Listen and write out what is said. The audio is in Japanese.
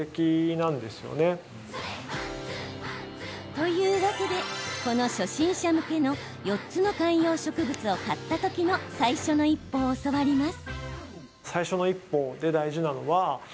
というわけで、この初心者向けの４つの観葉植物を買った時の最初の一歩を教わります。